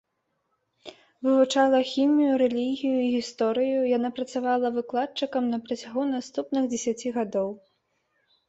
Вывучала хімію, рэлігію і гісторыю, яна працавала выкладчыкам на працягу наступных дзесяці гадоў.